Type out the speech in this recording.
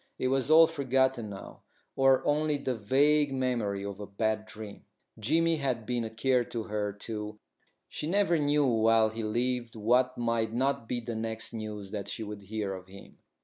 It was all forgotten now, or only the vague memory of a bad dream. Jimmy had been a care to her, too; she never knew while he lived what might not be the next news that she would hear of him.